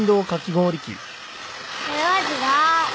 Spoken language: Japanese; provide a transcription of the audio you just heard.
これは違う。